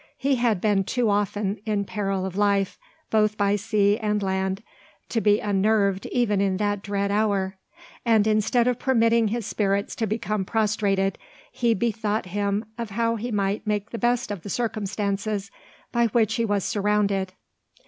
He had been too often in peril of life both by sea and land to be unnerved even in that dread hour; and instead of permitting his spirits to become prostrated, he bethought him of how he might make the best of the circumstances by which he was surrounded.